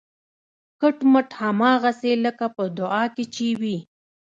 کټ مټ هماغسې لکه په دعا کې چې وي